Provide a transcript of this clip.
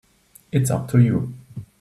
It's up to you.